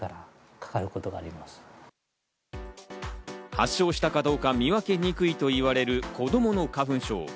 発症したかどうか見分けにくいといわれる子供の花粉症。